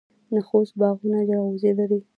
د خوست باغونه جلغوزي لري.